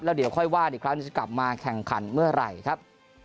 เดี๋ยวค่อยว่าอีกครั้งจะกลับมาแข่งขันเมื่อไหร่ครับ